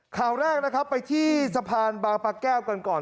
ข่าวแรกนะครับไปที่สะพานบางปะแก้วกันก่อน